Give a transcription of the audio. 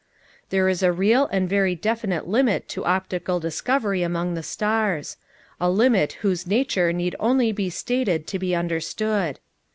There is a real and very definite limit to optical discovery among the stars—a limit whose nature need only be stated to be understood.